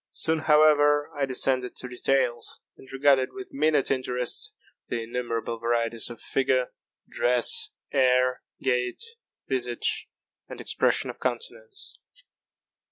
Soon, however, I descended to details, and regarded with minute interest the innumerable varieties of figure, dress, air, gait, visage, and expression of countenance.